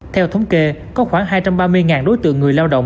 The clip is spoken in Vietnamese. theo thống kê có khoảng hai trăm ba mươi đối tượng người lao động